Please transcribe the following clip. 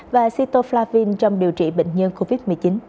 và sitoflavin trong điều trị bệnh nhân covid một mươi chín